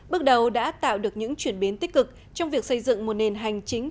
bước đầu đã tạo được những chuyển biến tích cực trong việc xây dựng một nền hành chính